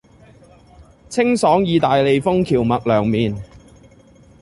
清爽義大利風蕎麥涼麵